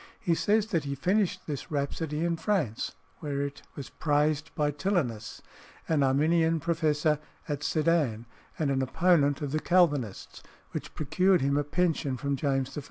He says that he finished this rhapsody in France, where it was praised by Tilenus, an Arminian professor at Sedan, and an opponent of the Calvinists, which procured him a pension from James I.